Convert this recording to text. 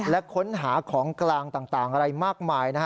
และค้นหาของกลางต่างอะไรมากมายนะฮะ